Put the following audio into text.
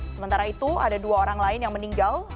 sementara itu ada dua orang lain yang meninggal